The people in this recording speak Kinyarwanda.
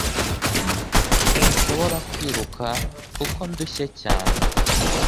Sinshobora kwiruka kuko ndushye cyane